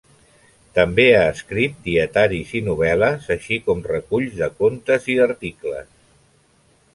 També ha escrit dietaris i novel·les així com reculls de contes i d'articles.